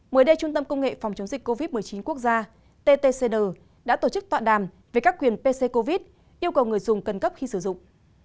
mới đây trung tâm công nghệ phòng chống dịch covid một mươi chín quốc gia ttc đã tổ chức tọa đàm về các quyền pc covid yêu cầu người dùng cần cấp khi sử dụng